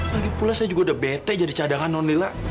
lagipula saya juga udah bete jadi cadangan nonila